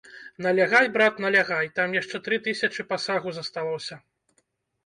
Налягай, брат, налягай, там яшчэ тры тысячы пасагу засталося.